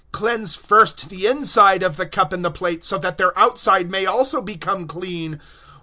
Cleanse first the inside of the cup and the platter, that its outside also may become clean.